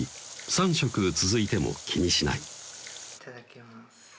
３食続いても気にしないいただきます